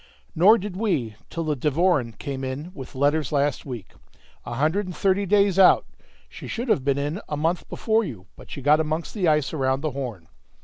"Nor did we till the Devoren came in with letters last week, a hundred and thirty days out. She should have been in a month before you, but she got amongst the ice around the Horn.